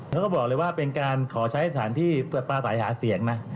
แล้วก็บอกเลยว่าเป็นการขอใช้สถานที่ปลาสายหาเสียงนะ